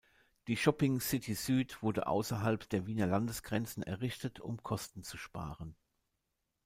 Die Shopping City Süd wurde außerhalb der Wiener Landesgrenzen errichtet, um Kosten zu sparen.